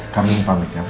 kami mau pamit ya